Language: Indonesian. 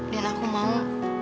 dan aku mau